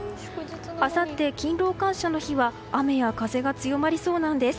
あさって勤労感謝の日は雨や風が強まりそうなんです。